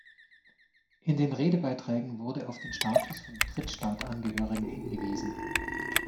In den Redebeiträgen wurde auf den Status von Drittstaatsangehörigen hingewiesen.